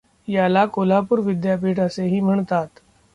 याला कोल्हापूर विद्यापीठ असेही म्हणतात.